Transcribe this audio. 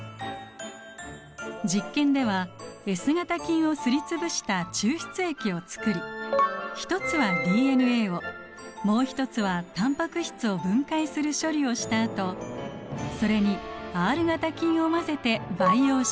実験ではＳ型菌をすりつぶした抽出液をつくり一つはＤＮＡをもう一つはタンパク質を分解する処理をしたあとそれにＲ型菌を混ぜて培養しました。